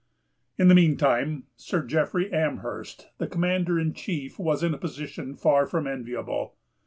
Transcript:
In the mean time, Sir Jeffrey Amherst, the Commander in chief, was in a position far from enviable.